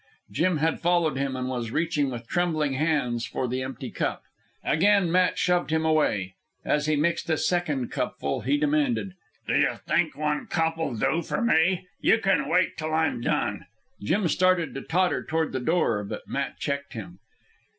Jim had followed him and was reaching with trembling hands for the empty cup. Again Matt shoved him away. As he mixed a second cupful, he demanded "D'you think one cup'll do for me? You can wait till I'm done." Jim started to totter toward the door, but Matt checked him.